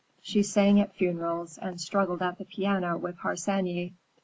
She sang at funerals, and struggled at the piano with Harsanyi.